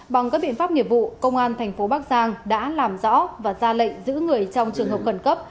bằng các biện pháp nghiệp vụ công an thành phố bắc giang đã làm rõ và ra lệnh giữ người trong trường hợp khẩn cấp